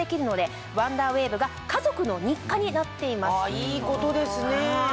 いいことですね。